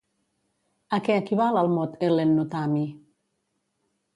A què equival el mot Hel·lenotami?